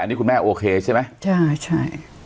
อันนี้คุณแม่โอเคใช่ไหม